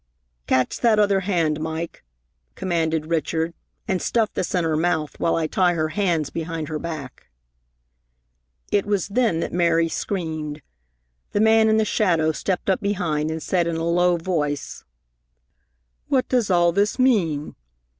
"Catch that other hand, Mike," commanded Richard, "and stuff this in her mouth, while I tie her hands behind her back." It was then that Mary screamed. The man in the shadow stepped up behind and said in a low voice: "What does all this mean?"